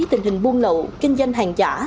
tình hình buôn lậu kinh doanh hàng giả